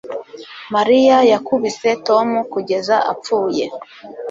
Mariya yakubise Tom kugeza apfuye